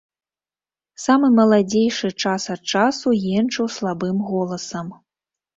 Самы маладзейшы час ад часу енчыў слабым голасам.